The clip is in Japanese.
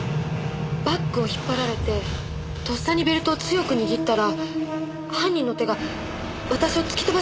バッグを引っ張られてとっさにベルトを強く握ったら犯人の手が私を突き飛ばす形になって。